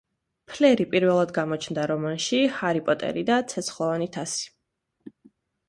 ფლერი პირველად გამოჩნდა რომანში „ჰარი პოტერი და ცეცხლოვანი თასი“.